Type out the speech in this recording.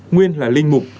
nguyên là linh mục